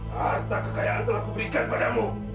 harta kekayaan telah kuberikan padamu